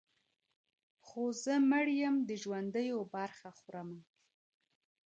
خو زه مړ یم د ژوندیو برخه خورمه -